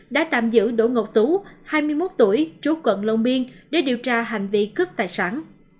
đã tạm giữ đỗ ngọc tú hai mươi một tuổi trú quận long biên để điều tra hành vi cướp tài sản